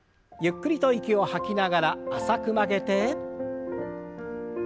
ゆっくりと息を吐きながら浅く曲げて。